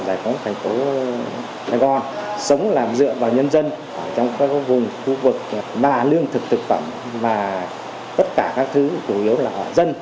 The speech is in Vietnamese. giải phóng thành phố sài gòn sống là dựa vào nhân dân ở trong các vùng khu vực là lương thực thực phẩm và tất cả các thứ đủ yếu là ở dân